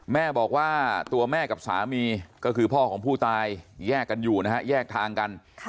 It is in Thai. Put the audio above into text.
แม่บอกว่าตัวแม่กับสามีก็คือพ่อของผู้ตายแยกกันอยู่นะฮะแยกทางกัน